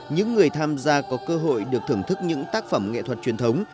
những người tham gia có cơ hội được thưởng thức những tác phẩm nghệ thuật truyền thống